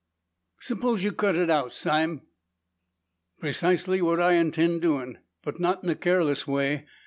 "Suppose you cut it out, Sime?" "Precisely what I intend doin'. But not in a careless way.